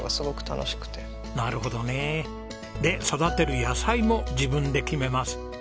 なるほどね。で育てる野菜も自分で決めます。